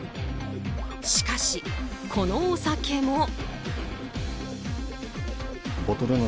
しかし、このお酒も。